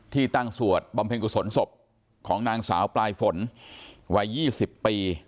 ตั้งสวดบำเพ็ญกุศลศพของนางสาวปลายฝนวัย๒๐ปี